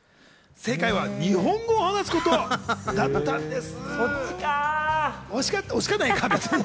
正解は日本語を話すことだったんです。